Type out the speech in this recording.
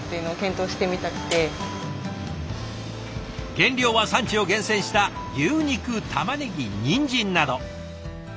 原料は産地を厳選した牛肉たまねぎにんじんなど。